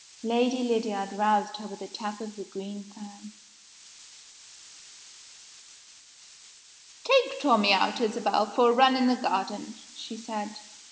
Lady Lydiard roused her with a tap of the green fan. "Take Tommie out, Isabel, for a run in the garden," she said.